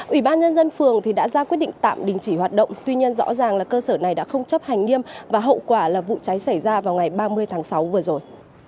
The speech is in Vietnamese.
ủy ban nhân dân phường đã ra quyết định tạm đình chỉ hoạt động tuy nhiên rõ ràng là cơ sở này đã không chấp hành nghiêm và hậu quả là vụ cháy xảy ra vào ngày ba mươi tháng sáu vừa rồi